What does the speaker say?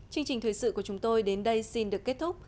chương trình thời sự của chúng tôi đến đây xin được kết thúc